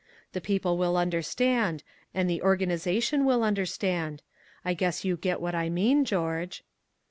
The people will understand, and the organization will understand. I guess you get what I mean, George."